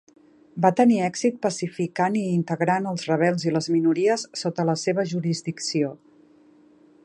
Va tenir èxit pacificant i integrant els rebels i les minories sota la seva jurisdicció.